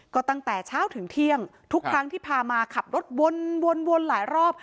ก็ตั้งแต่เช้าถึงเที่ยงทุกครั้งที่พามาขับรถวนวนหลายรอบ